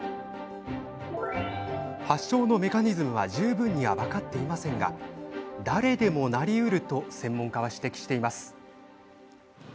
発症のメカニズムは十分には分かっていませんが誰でもなりうると専門家は指摘しています。